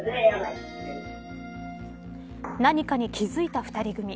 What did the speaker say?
何かに気付いた２人組。